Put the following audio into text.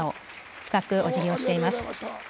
深くおじぎをしています。